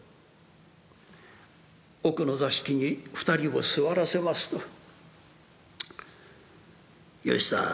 奥の座敷に２人を座らせますと「芳さん